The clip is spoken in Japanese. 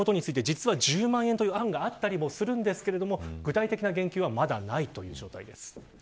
実は１０万円という案があったりもしますが具体的な言及はまだないという状態です。